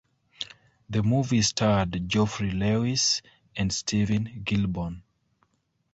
The movie starred Geoffrey Lewis and Steven Gilborn.